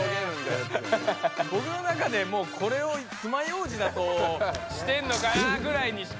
ぼくの中でもうこれをつまようじだとしてんのかなぐらいにしか。